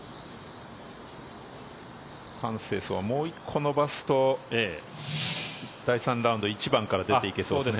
ハン・セイソウはもう１個伸ばすと第３ラウンド１番から出ていけそうです。